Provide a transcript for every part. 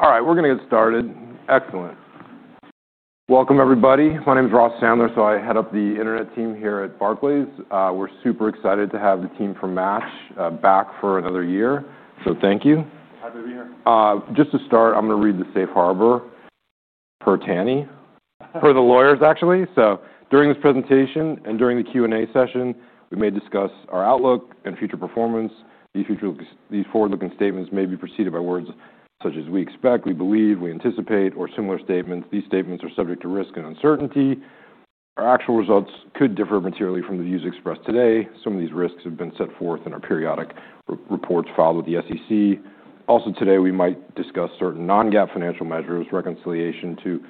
All right. We're gonna get started. Excellent. Welcome, everybody. My name's Ross Sandler. So I head up the Internet team here at Barclays. We're super excited to have the team from Match back for another year. So thank you. Happy to be here. Just to start, I'm gonna read the safe harbor for Tanny. For the lawyers, actually. So during this presentation and during the Q&A session, we may discuss our outlook and future performance. These future looks, these forward-looking statements may be preceded by words such as "we expect," "we believe," "we anticipate," or similar statements. These statements are subject to risk and uncertainty. Our actual results could differ materially from the views expressed today. Some of these risks have been set forth in our periodic reports filed with the SEC. Also, today we might discuss certain non-GAAP financial measures. Reconciliation to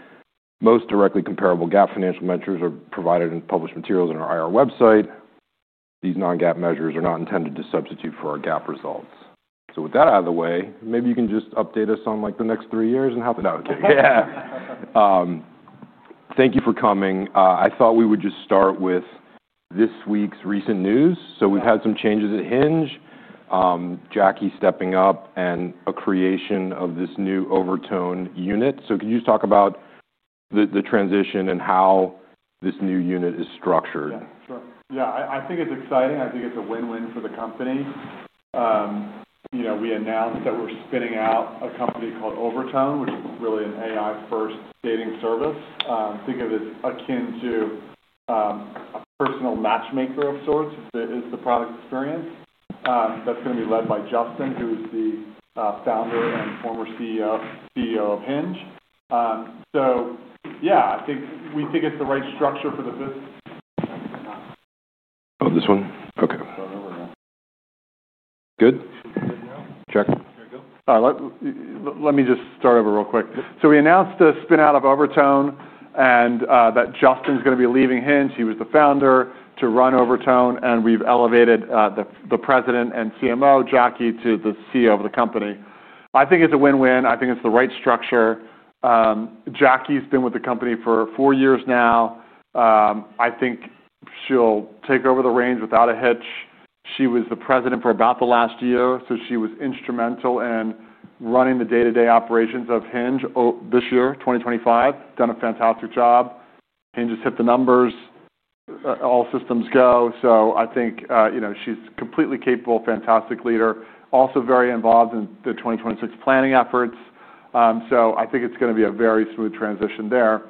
most directly comparable GAAP financial measures are provided in published materials on our IR website. These non-GAAP measures are not intended to substitute for our GAAP results. So with that out of the way, maybe you can just update us on, like, the next three years and how that would take us? Yeah. Thank you for coming. I thought we would just start with this week's recent news. So we've had some changes at Hinge, Jackie stepping up, and a creation of this new Overtone unit. So can you just talk about the transition and how this new unit is structured? Yeah. Sure. Yeah. I think it's exciting. I think it's a win-win for the company. You know, we announced that we're spinning out a company called Overtone, which is really an AI-first dating service. Think of it as akin to a personal matchmaker of sorts. That's the product experience. That's gonna be led by Justin, who's the founder and former CEO of Hinge. So yeah, I think we think it's the right structure for the business. Oh, this one? Okay. Start over again. Good? Good. Yeah. Check. Here we go. All right. Let me just start over real quick. So we announced the spin-out of Overtone and that Justin's gonna be leaving Hinge. He was the founder to run Overtone. And we've elevated the president and CMO, Jackie, to the CEO of the company. I think it's a win-win. I think it's the right structure. Jackie's been with the company for four years now. I think she'll take over Hinge without a hitch. She was the president for about the last year. So she was instrumental in running the day-to-day operations of Hinge over this year, 2025. Done a fantastic job. Hinge has hit the numbers. All systems go. So I think, you know, she's completely capable, fantastic leader, also very involved in the 2026 planning efforts. So I think it's gonna be a very smooth transition there.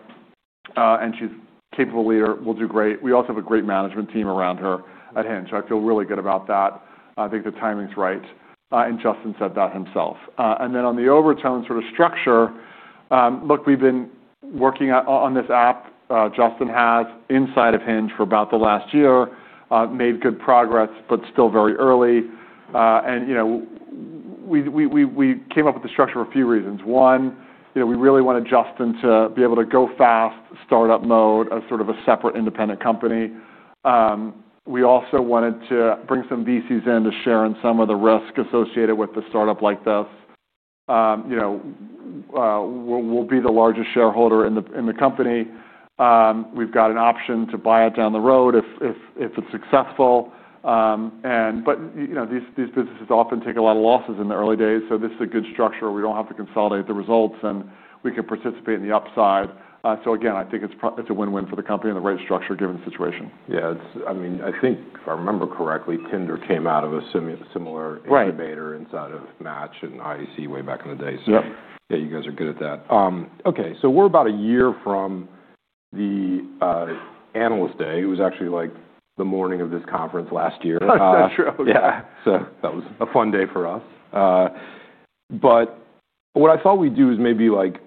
And she's capable leader. Will do great. We also have a great management team around here at Hinge. I feel really good about that. I think the timing's right, and Justin said that himself, and then on the Overtone sort of structure, look, we've been working on this app Justin has inside of Hinge for about the last year, made good progress but still very early, and, you know, we came up with the structure for a few reasons. One, you know, we really wanted Justin to be able to go fast, start-up mode as sort of a separate independent company. We also wanted to bring some VCs in to share in some of the risk associated with a start-up like this. You know, we'll be the largest shareholder in the company. We've got an option to buy it down the road if it's successful. But you know, these businesses often take a lot of losses in the early days. So this is a good structure where we don't have to consolidate the results and we can participate in the upside. So again, I think it's pro it's a win-win for the company and the right structure given the situation. Yeah. It's, I mean, I think, if I remember correctly, Tinder came out of a similar incubator. Right. Inside of Match and IAC way back in the day. Yep. So, yeah, you guys are good at that. Okay. So we're about a year from the Analyst Day. It was actually like the morning of this conference last year. That's true. Yeah. So that was a fun day for us. But what I thought we'd do is maybe like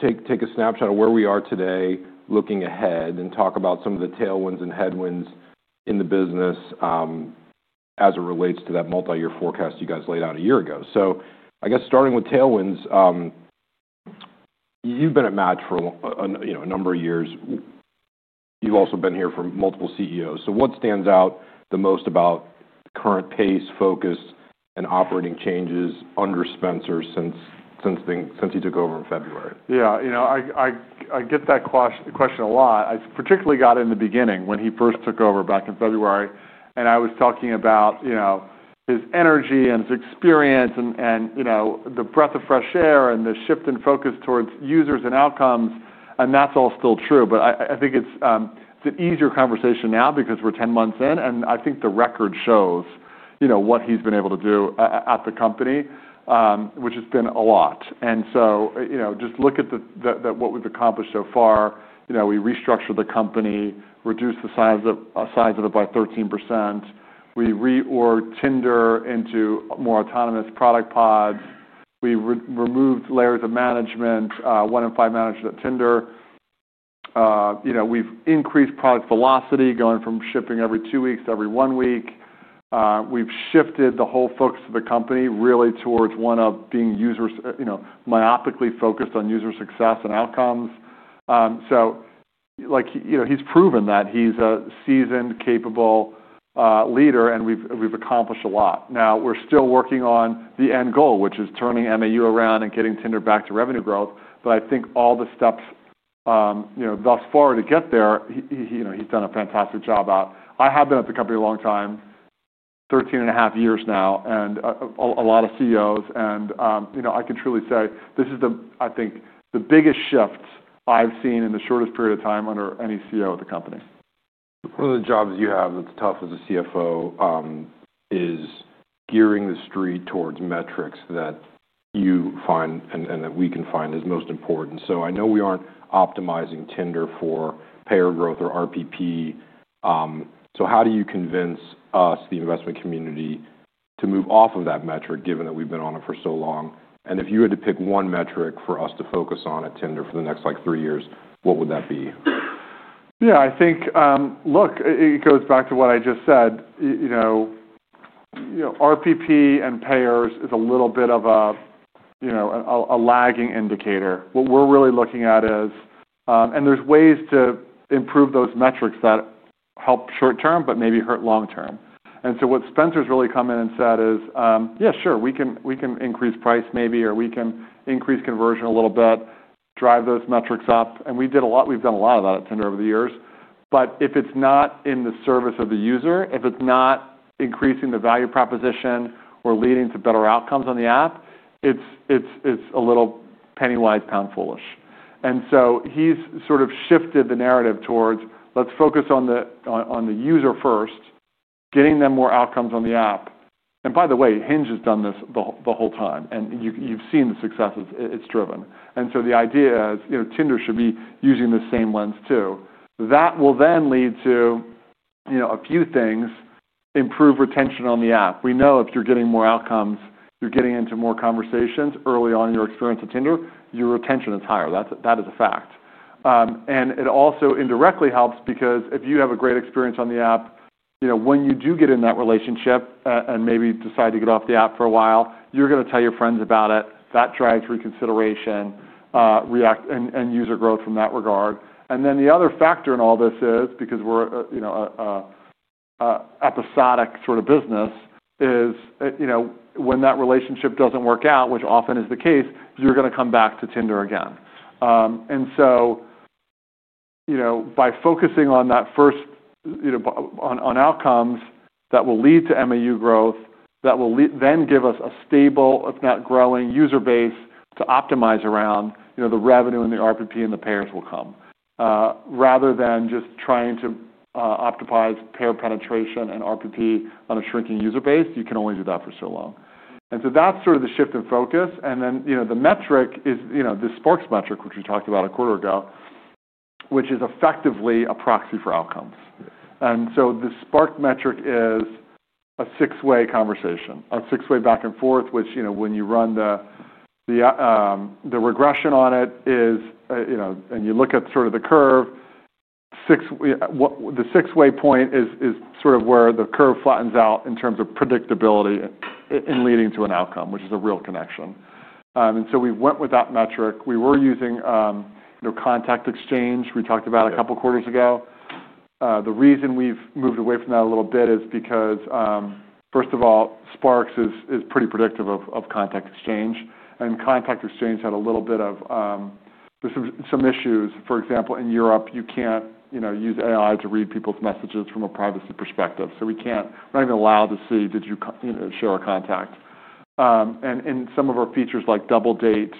take a snapshot of where we are today looking ahead and talk about some of the tailwinds and headwinds in the business, as it relates to that multi-year forecast you guys laid out a year ago. So I guess starting with tailwinds, you've been at Match for a while, you know, a number of years. You've also been here for multiple CEOs. So what stands out the most about current pace, focus, and operating changes under Spencer since he took over in February? Yeah. You know, I get that question a lot. I particularly got it in the beginning when he first took over back in February. And I was talking about, you know, his energy and his experience and, you know, the breath of fresh air and the shift in focus towards users and outcomes. And that's all still true. But I think it's an easier conversation now because we're 10 months in. And I think the record shows, you know, what he's been able to do at the company, which has been a lot. And so, you know, just look at the what we've accomplished so far. You know, we restructured the company, reduced the size of it by 13%. We reorged Tinder into more autonomous product pods. We removed layers of management, one in five managers at Tinder. You know, we've increased product velocity going from shipping every two weeks to every one week. We've shifted the whole focus of the company really towards one of being users you know, myopically focused on user success and outcomes. So, like, you know, he's proven that. He's a seasoned, capable leader. And we've accomplished a lot. Now, we're still working on the end goal, which is turning MAU around and getting Tinder back to revenue growth. But I think all the steps, you know, thus far to get there, he you know, he's done a fantastic job at. I have been at the company a long time, 13 and a half years now, and a lot of CEOs. You know, I can truly say this is the, I think, the biggest shift I've seen in the shortest period of time under any CEO at the company. One of the jobs you have that's tough as a CFO, is gearing the street towards metrics that you find and that we can find as most important. So I know we aren't optimizing Tinder for payer growth or RPP. So how do you convince us, the investment community, to move off of that metric given that we've been on it for so long? And if you had to pick one metric for us to focus on at Tinder for the next, like, three years, what would that be? Yeah. I think, look, it goes back to what I just said. You know, RPP and payers is a little bit of a, you know, a lagging indicator. What we're really looking at is, and there's ways to improve those metrics that help short-term but maybe hurt long-term. And so what Spencer's really come in and said is, "Yeah. Sure. We can, we can increase price maybe, or we can increase conversion a little bit, drive those metrics up." And we've done a lot of that at Tinder over the years. But if it's not in the service of the user, if it's not increasing the value proposition or leading to better outcomes on the app, it's a little penny wise, pound foolish. And so he's sort of shifted the narrative towards, "Let's focus on the user first, getting them more outcomes on the app." And by the way, Hinge has done this the whole time. And you've seen the successes it's driven. And so the idea is, you know, Tinder should be using the same lens too. That will then lead to, you know, a few things, improve retention on the app. We know if you're getting more outcomes, you're getting into more conversations early on in your experience at Tinder, your retention is higher. That is a fact. And it also indirectly helps because if you have a great experience on the app, you know, when you do get in that relationship, and maybe decide to get off the app for a while, you're gonna tell your friends about it. That drives reconsideration, reacquisition, and user growth from that regard. Then the other factor in all this is, because we're, you know, an episodic sort of business, you know, when that relationship doesn't work out, which often is the case, you're gonna come back to Tinder again. So, you know, by focusing on that first, you know, on outcomes that will lead to MAU growth, that will then give us a stable, if not growing, user base to optimize around, you know, the revenue and the RPP and the payers will come, rather than just trying to optimize payer penetration and RPP on a shrinking user base. You can only do that for so long, and so that's sort of the shift in focus. And then, you know, the metric is, you know, the Sparks metric, which we talked about a quarter ago, which is effectively a proxy for outcomes. And so the Sparks metric is a six-way conversation, a six-way back and forth, which, you know, when you run the regression on it is, you know, and you look at sort of the curve, six-way what the six-way point is, is sort of where the curve flattens out in terms of predictability in leading to an outcome, which is a real connection. And so we went with that metric. We were using, you know, contact exchange. We talked about it a couple quarters ago. The reason we've moved away from that a little bit is because, first of all, Sparks is pretty predictive of contact exchange. Contact exchange had a little bit of, there's some issues. For example, in Europe, you can't, you know, use AI to read people's messages from a privacy perspective. So we can't. We're not even allowed to see, "Did you, you know, share a contact?" And some of our features like Double Date,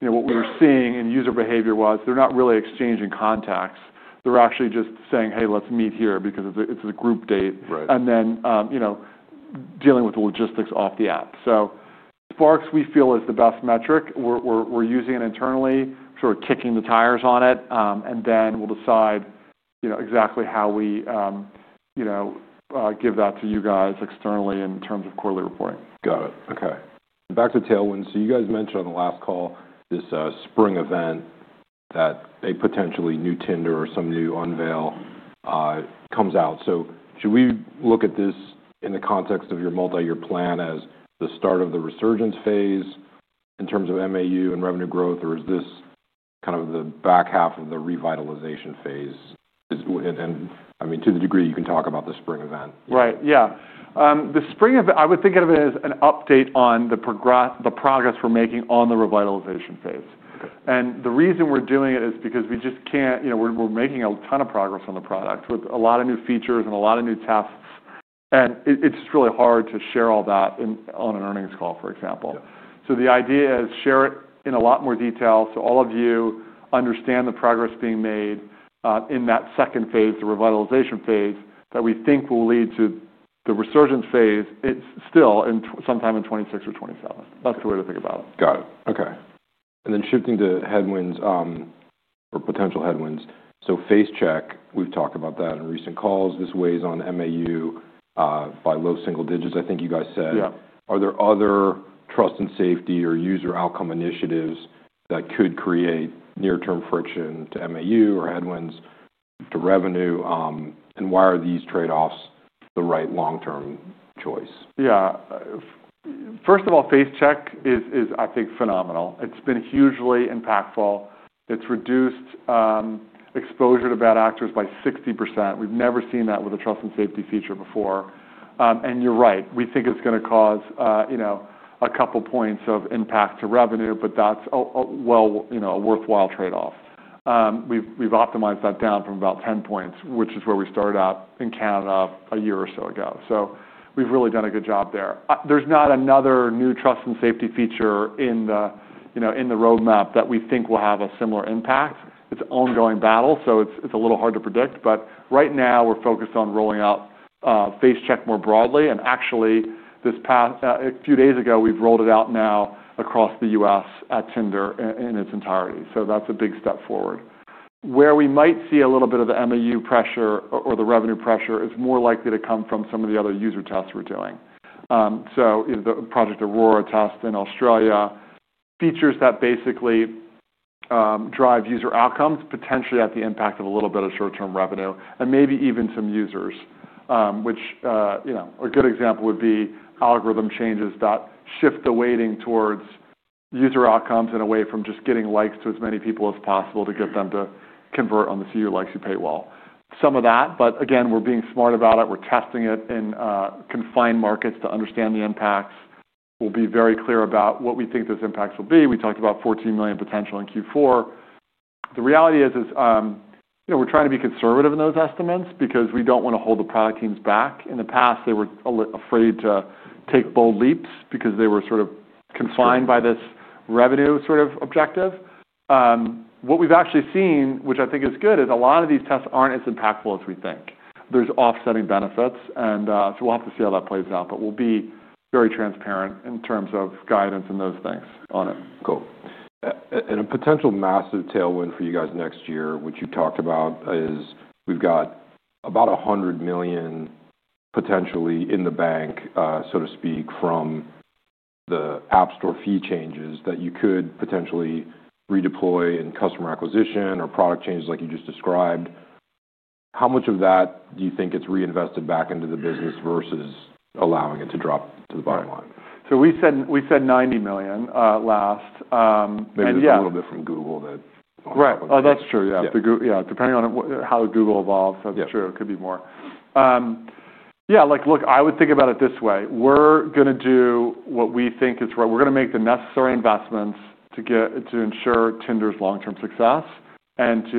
you know, what we were seeing in user behavior was they're not really exchanging contacts. They're actually just saying, "Hey, let's meet here because it's a group date. Right. Then, you know, dealing with the logistics of the app. Sparks, we feel, is the best metric. We're using it internally, sort of kicking the tires on it. Then we'll decide, you know, exactly how we, you know, give that to you guys externally in terms of quarterly reporting. Got it. Okay. Back to tailwinds. So you guys mentioned on the last call this spring event that a potentially new Tinder or some new unveil comes out. So should we look at this in the context of your multi-year plan as the start of the resurgence phase in terms of MAU and revenue growth, or is this kind of the back half of the revitalization phase? I mean, to the degree you can talk about the spring event. Right. Yeah. The spring event, I would think of it as an update on the progress we're making on the revitalization phase. Okay. The reason we're doing it is because we just can't, you know, we're making a ton of progress on the product with a lot of new features and a lot of new tests. It's just really hard to share all that in an earnings call, for example. Yeah. So the idea is to share it in a lot more detail so all of you understand the progress being made, in that second phase, the revitalization phase, that we think will lead to the resurgence phase. It's still in that sometime in 2026 or 2027. That's the way to think about it. Got it. Okay. And then shifting to headwinds, or potential headwinds. So Face Check, we've talked about that in recent calls. This weighs on MAU, by low single digits, I think you guys said. Yeah. Are there other trust and safety or user outcome initiatives that could create near-term friction to MAU or headwinds to revenue? And why are these trade-offs the right long-term choice? Yeah. First of all, Face Check is, I think, phenomenal. It's been hugely impactful. It's reduced exposure to bad actors by 60%. We've never seen that with a trust and safety feature before, and you're right. We think it's gonna cause, you know, a couple points of impact to revenue, but that's a, well, you know, a worthwhile trade-off. We've, we've optimized that down from about 10 points, which is where we started out in Canada a year or so ago. So we've really done a good job there. There's not another new trust and safety feature in the, you know, in the roadmap that we think will have a similar impact. It's an ongoing battle. So it's a little hard to predict. But right now, we're focused on rolling out Face Check more broadly. Actually, a few days ago, we've rolled it out now across the U.S. at Tinder in its entirety. So that's a big step forward. Where we might see a little bit of the MAU pressure or the revenue pressure is more likely to come from some of the other user tests we're doing. You know, the Project Aurora test in Australia features that basically drive user outcomes, potentially at the expense of a little bit of short-term revenue and maybe even some users. You know, a good example would be algorithm changes that shift the weighting towards user outcomes and away from just getting likes to as many people as possible to get them to convert on the "See your likes. You pay well." Some of that. Again, we're being smart about it. We're testing it in confined markets to understand the impacts. We'll be very clear about what we think those impacts will be. We talked about 14 million potential in Q4. The reality is, you know, we're trying to be conservative in those estimates because we don't wanna hold the product teams back. In the past, they were all afraid to take bold leaps because they were sort of confined by this revenue sort of objective. What we've actually seen, which I think is good, is a lot of these tests aren't as impactful as we think. There's offsetting benefits, and so we'll have to see how that plays out, but we'll be very transparent in terms of guidance and those things on it. Cool. And a potential massive tailwind for you guys next year, which you've talked about, is we've got about $100 million potentially in the bank, so to speak, from the App Store fee changes that you could potentially redeploy in customer acquisition or product changes like you just described. How much of that do you think it's reinvested back into the business versus allowing it to drop to the bottom line? We said 90 million last, and yeah. Maybe it's a little bit from Google that. Right. Oh, that's true. Yeah. Yeah. The goal, yeah. Depending on how Google evolves, that's true. It could be more. Yeah. Yeah. Like, look, I would think about it this way. We're gonna do what we think is right. We're gonna make the necessary investments to get to ensure Tinder's long-term success and to,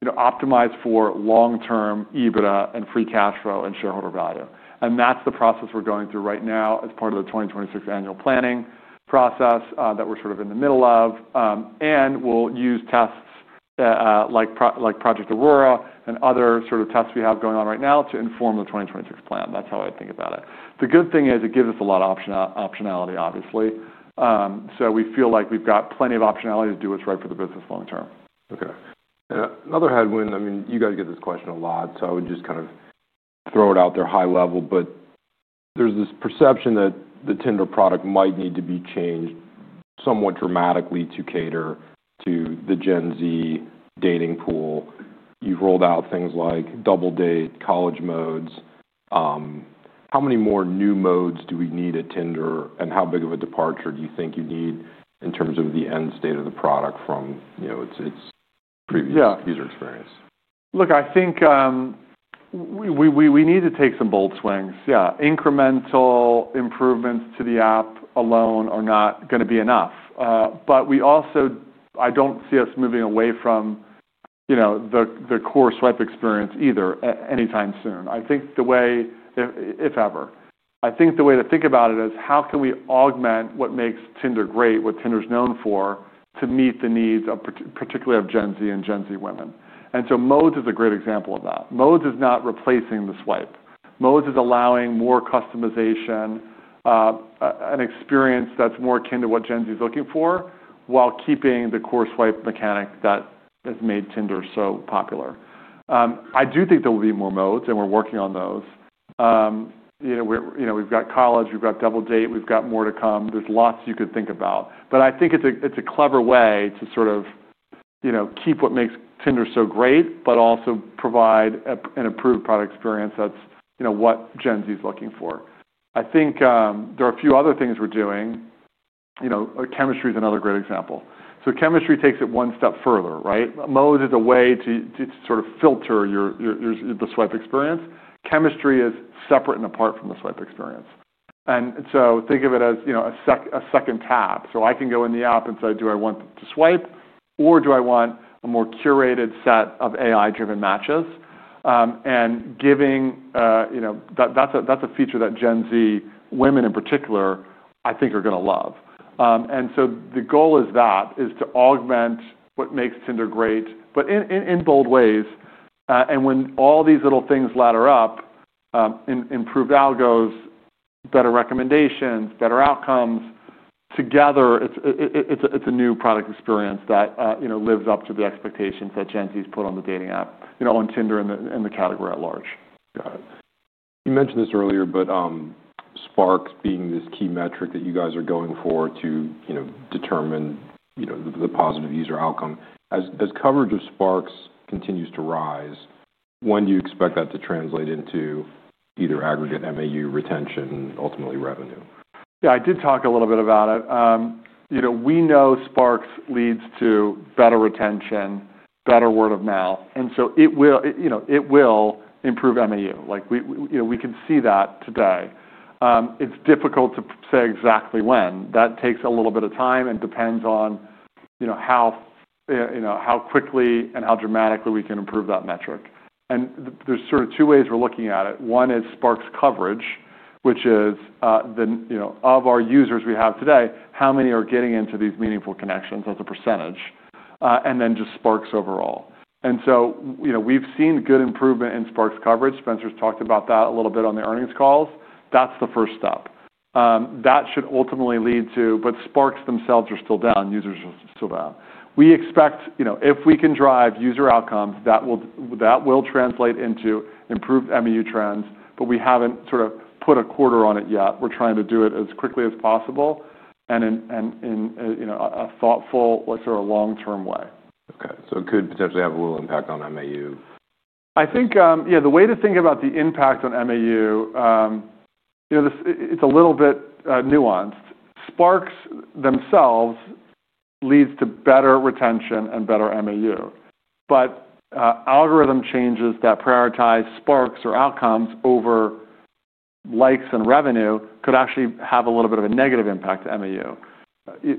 you know, optimize for long-term EBITDA and free cash flow and shareholder value, and that's the process we're going through right now as part of the 2026 annual planning process, that we're sort of in the middle of, and we'll use tests, like Project Aurora and other sort of tests we have going on right now to inform the 2026 plan. That's how I think about it. The good thing is it gives us a lot of optionality, obviously, so we feel like we've got plenty of optionality to do what's right for the business long-term. Okay. And another headwind, I mean, you guys get this question a lot, so I would just kind of throw it out there high level. But there's this perception that the Tinder product might need to be changed somewhat dramatically to cater to the Gen Z dating pool. You've rolled out things like Double Date, College Modes. How many more new modes do we need at Tinder, and how big of a departure do you think you need in terms of the end state of the product from, you know, its previous? Yeah. User experience? Look, I think we need to take some bold swings. Yeah. Incremental improvements to the app alone are not gonna be enough, but we also, I don't see us moving away from, you know, the core swipe experience either anytime soon. I think the way, if ever, I think the way to think about it is how can we augment what makes Tinder great, what Tinder's known for, to meet the needs of particularly of Gen Z and Gen Z women? And so Modes is a great example of that. Modes is not replacing the swipe. Modes is allowing more customization, an experience that's more akin to what Gen Z's looking for while keeping the core swipe mechanic that has made Tinder so popular. I do think there will be more modes, and we're working on those. You know, we're, you know, we've got college. We've got Double Date. We've got more to come. There's lots you could think about. But I think it's a clever way to sort of, you know, keep what makes Tinder so great but also provide an improved product experience that's, you know, what Gen Z's looking for. I think there are a few other things we're doing. You know, Chemistry's another great example. So Chemistry takes it one step further, right? Modes is a way to sort of filter your swipe experience. Chemistry is separate and apart from the swipe experience. And so think of it as, you know, a second tab. So I can go in the app and say, "Do I want to swipe, or do I want a more curated set of AI-driven matches?" and giving, you know, that's a feature that Gen Z women in particular, I think, are gonna love, and so the goal is that, to augment what makes Tinder great, but in bold ways. When all these little things ladder up, improved algos, better recommendations, better outcomes, together, it's a new product experience that, you know, lives up to the expectations that Gen Z's put on the dating app, you know, on Tinder and the category at large. Got it. You mentioned this earlier, but Sparks being this key metric that you guys are going for to, you know, determine, you know, the positive user outcome. As coverage of Sparks continues to rise, when do you expect that to translate into either aggregate MAU retention and ultimately revenue? Yeah. I did talk a little bit about it. You know, we know Sparks leads to better retention, better word of mouth. And so it will, you know, it will improve MAU. Like, we, you know, we can see that today. It's difficult to say exactly when. That takes a little bit of time and depends on, you know, how, you know, how quickly and how dramatically we can improve that metric. And there's sort of two ways we're looking at it. One is Sparks coverage, which is, the, you know, of our users we have today, how many are getting into these meaningful connections as a percentage, and then just Sparks overall. And so, you know, we've seen good improvement in Sparks coverage. Spencer's talked about that a little bit on the earnings calls. That's the first step. that should ultimately lead to but Sparks themselves are still down. Users are still down. We expect, you know, if we can drive user outcomes, that will translate into improved MAU trends. But we haven't sort of put a quarter on it yet. We're trying to do it as quickly as possible and in a, you know, a thoughtful, like, sort of long-term way. Okay, so it could potentially have a little impact on MAU. I think, yeah, the way to think about the impact on MAU, you know, this it's a little bit, nuanced. Sparks themselves leads to better retention and better MAU. But, algorithm changes that prioritize Sparks or outcomes over likes and revenue could actually have a little bit of a negative impact to MAU.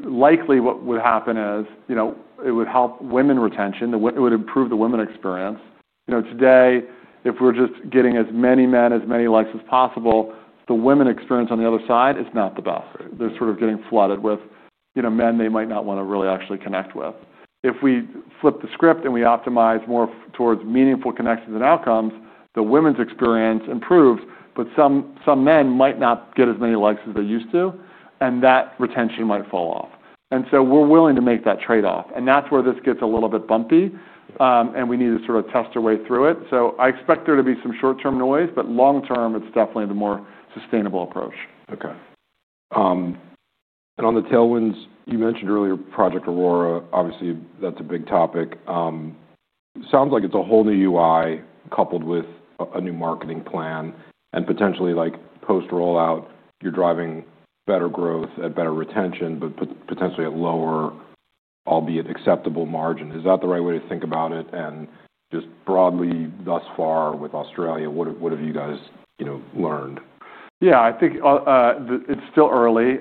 Likely, what would happen is, you know, it would help women retention. It would improve the women experience. You know, today, if we're just getting as many men, as many likes as possible, the women experience on the other side is not the best. They're sort of getting flooded with, you know, men they might not wanna really actually connect with. If we flip the script and we optimize more towards meaningful connections and outcomes, the women's experience improves, but some, some men might not get as many likes as they used to, and that retention might fall off, and so we're willing to make that trade-off, and that's where this gets a little bit bumpy, and we need to sort of test our way through it, so I expect there to be some short-term noise, but long-term, it's definitely the more sustainable approach. Okay. And on the tailwinds, you mentioned earlier Project Aurora. Obviously, that's a big topic. Sounds like it's a whole new UI coupled with a new marketing plan and potentially, like, post rollout, you're driving better growth at better retention but potentially at lower, albeit acceptable margin. Is that the right way to think about it? And just broadly, thus far, with Australia, what have you guys, you know, learned? Yeah. I think that it's still early,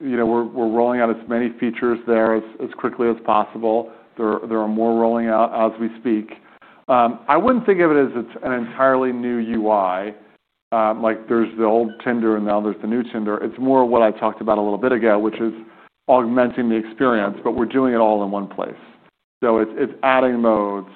you know. We're rolling out as many features there as quickly as possible. There are more rolling out as we speak. I wouldn't think of it as it's an entirely new UI, like. There's the old Tinder, and now there's the new Tinder. It's more what I talked about a little bit ago, which is augmenting the experience, but we're doing it all in one place. So it's adding modes.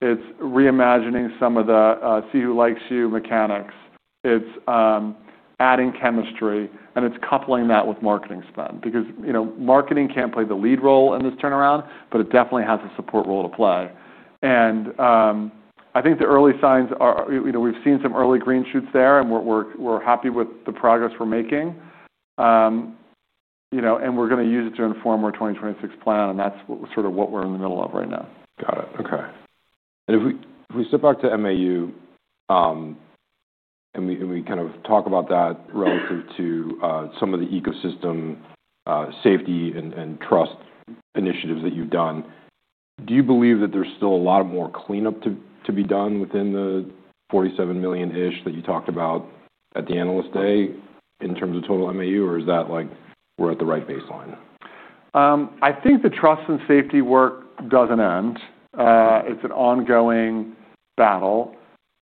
It's reimagining some of the See Who Likes You mechanics. It's adding Chemistry, and it's coupling that with marketing spend because, you know, marketing can't play the lead role in this turnaround, but it definitely has a support role to play. I think the early signs are, you know, we've seen some early green shoots there, and we're happy with the progress we're making. You know, and we're gonna use it to inform our 2026 plan. And that's sort of what we're in the middle of right now. Got it. Okay. And if we step back to MAU, and we kind of talk about that relative to some of the ecosystem safety and trust initiatives that you've done, do you believe that there's still a lot more cleanup to be done within the 47 million-ish that you talked about at the Analyst Day in terms of total MAU, or is that, like, we're at the right baseline? I think the trust and safety work doesn't end. It's an ongoing battle.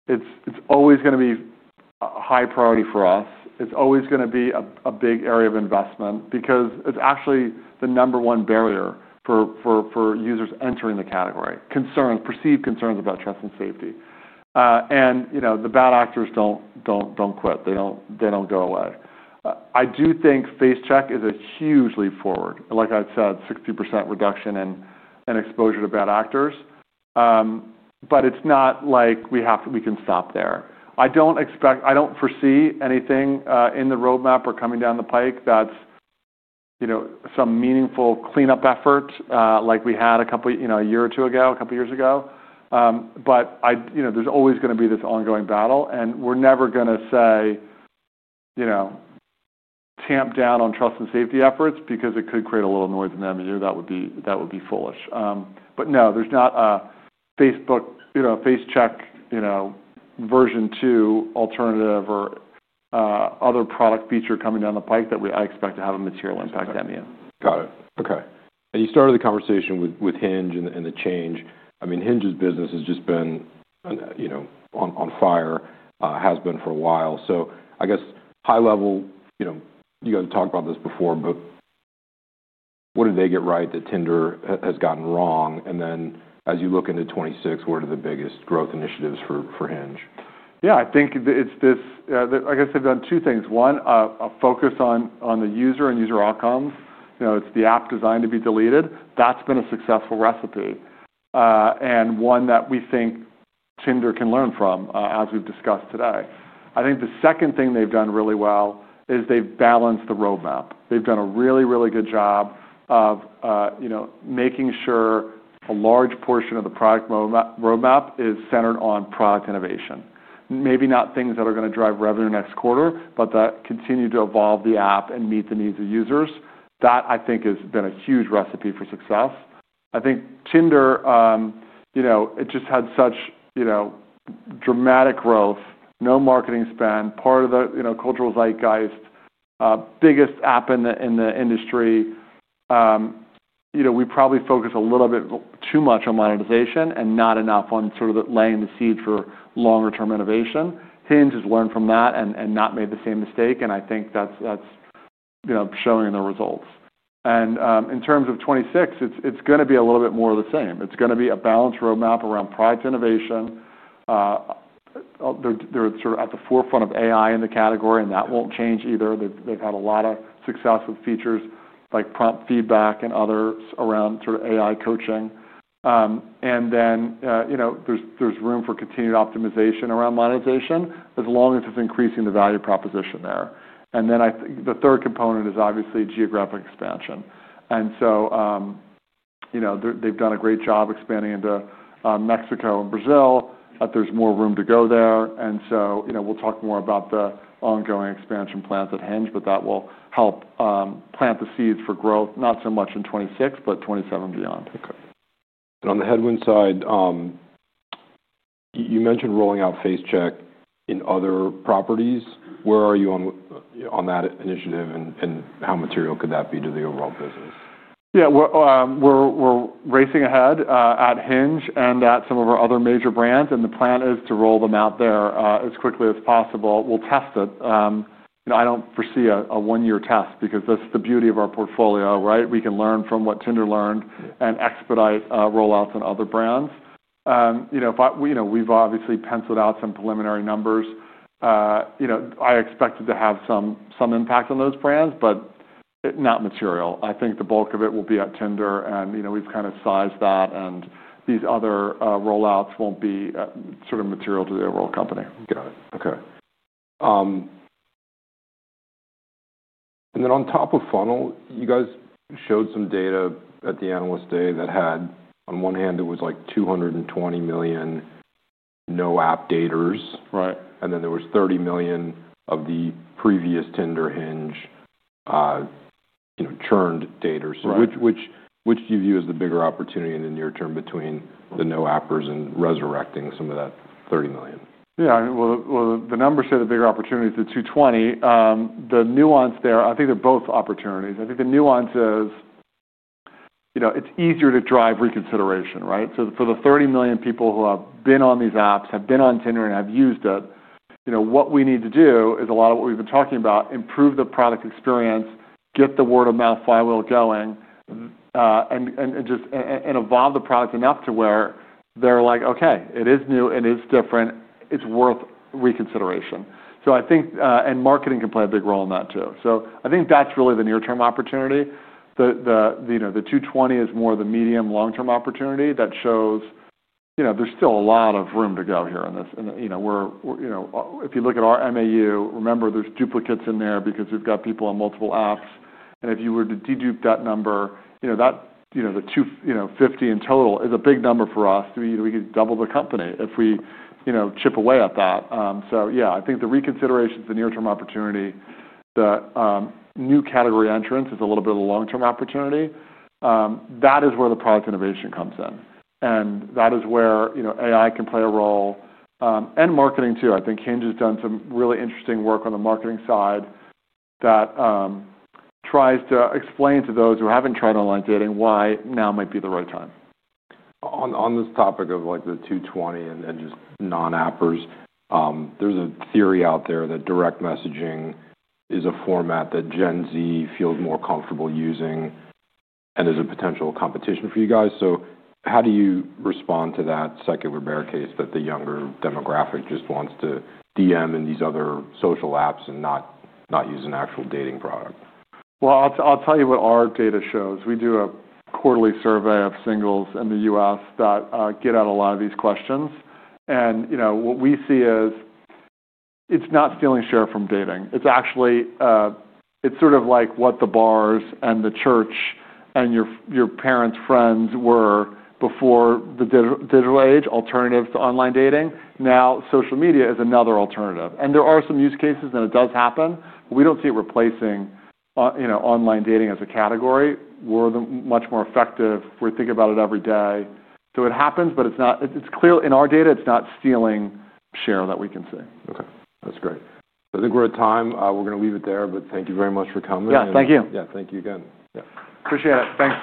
It's always gonna be a high priority for us. It's always gonna be a big area of investment because it's actually the number one barrier for users entering the category, concerns, perceived concerns about trust and safety. You know, the bad actors don't quit. They don't go away. I do think Face Check is a huge leap forward. Like I said, 60% reduction in exposure to bad actors. But it's not like we have to, we can stop there. I don't expect, I don't foresee anything in the roadmap or coming down the pike that's, you know, some meaningful cleanup effort, like we had a couple, you know, a year or two ago, a couple years ago. But, you know, there's always gonna be this ongoing battle. And we're never gonna say, you know, tamp down on trust and safety efforts because it could create a little noise in MAU. That would be foolish. But no, there's not a Facebook, you know, a Face Check, you know, version two alternative or other product feature coming down the pike that I expect to have a material impact on MAU. Got it. Okay. And you started the conversation with Hinge and the change. I mean, Hinge's business has just been, you know, on fire, has been for a while. So I guess high level, you know, you guys talked about this before, but what did they get right that Tinder has gotten wrong? And then as you look into 2026, what are the biggest growth initiatives for Hinge? Yeah. I think it's this, that I guess they've done two things. One, a focus on the user and user outcomes. You know, it's the app designed to be deleted. That's been a successful recipe, and one that we think Tinder can learn from, as we've discussed today. I think the second thing they've done really well is they've balanced the roadmap. They've done a really good job of, you know, making sure a large portion of the product roadmap is centered on product innovation, maybe not things that are gonna drive revenue next quarter, but that continue to evolve the app and meet the needs of users. That, I think, has been a huge recipe for success. I think Tinder, you know, it just had such, you know, dramatic growth, no marketing spend, part of the, you know, cultural zeitgeist, biggest app in the industry. You know, we probably focus a little bit too much on monetization and not enough on sort of laying the seed for longer-term innovation. Hinge has learned from that and not made the same mistake, and I think that's showing in the results, and in terms of 2026, it's gonna be a little bit more of the same. It's gonna be a balanced roadmap around product innovation. They're sort of at the forefront of AI in the category, and that won't change either. They've had a lot of success with features like prompt feedback and others around sort of AI coaching. And then, you know, there's room for continued optimization around monetization as long as it's increasing the value proposition there. And then I think the third component is obviously geographic expansion. And so, you know, they've done a great job expanding into Mexico and Brazil, but there's more room to go there. And so, you know, we'll talk more about the ongoing expansion plans at Hinge, but that will help plant the seeds for growth, not so much in 2026, but 2027 and beyond. Okay, and on the headwind side, you mentioned rolling out Face Check in other properties. Where are you on that initiative and how material could that be to the overall business? Yeah. We're racing ahead at Hinge and at some of our other major brands. And the plan is to roll them out there as quickly as possible. We'll test it, you know. I don't foresee a one-year test because that's the beauty of our portfolio, right? We can learn from what Tinder learned and expedite rollouts in other brands, you know. If we, you know, we've obviously penciled out some preliminary numbers, you know. I expected to have some impact on those brands, but it's not material. I think the bulk of it will be at Tinder. And, you know, we've kind of sized that. And these other rollouts won't be sort of material to the overall company. Got it. Okay. And then on top of funnel, you guys showed some data at the Analyst Day that had, on one hand, it was like 220 million no-app daters. Right. And then there was 30 million of the previous Tinder Hinge, you know, churned daters. Right. Which do you view as the bigger opportunity in the near term between the no-appers and resurrecting some of that 30 million? Yeah. I mean, well, the numbers show the bigger opportunity to 220. The nuance there, I think they're both opportunities. I think the nuance is, you know, it's easier to drive reconsideration, right? So for the 30 million people who have been on these apps, have been on Tinder, and have used it, you know, what we need to do is a lot of what we've been talking about: improve the product experience, get the word of mouth flywheel going, and just evolve the product enough to where they're like, "Okay. It is new. It is different. It's worth reconsideration." So I think, and marketing can play a big role in that too. So I think that's really the near-term opportunity. You know, the 220 is more the medium-long-term opportunity that shows, you know, there's still a lot of room to go here in this. And, you know, we're, you know, if you look at our MAU, remember there's duplicates in there because we've got people on multiple apps. And if you were to dedupe that number, you know, that, you know, the 250 in total is a big number for us. You know, we could double the company if we, you know, chip away at that, so yeah, I think the reconsideration's the near-term opportunity. The new category entry is a little bit of the long-term opportunity. That is where the product innovation comes in. And that is where, you know, AI can play a role, and marketing too. I think Hinge has done some really interesting work on the marketing side that tries to explain to those who haven't tried online dating why now might be the right time. On this topic of, like, Gen Z and just non-adopters, there's a theory out there that direct messaging is a format that Gen Z feels more comfortable using and is a potential competition for you guys. So how do you respond to that secular bear case that the younger demographic just wants to DM in these other social apps and not use an actual dating product? I'll tell you what our data shows. We do a quarterly survey of singles in the U.S. that gets at a lot of these questions. And, you know, what we see is it's not stealing share from dating. It's actually, it's sort of like what the bars and the church and your parents, friends were before the digital age, alternative to online dating. Now, social media is another alternative. And there are some use cases that it does happen, but we don't see it replacing, you know, online dating as a category. We're the much more effective. We're thinking about it every day. So it happens, but it's clear in our data, it's not stealing share that we can see. Okay. That's great. So I think we're at time. We're gonna leave it there, but thank you very much for coming. Yeah. Thank you. Yeah. Thank you again. Yeah. Appreciate it. Thanks.